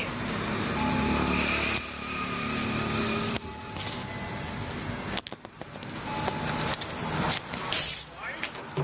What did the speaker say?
ขาย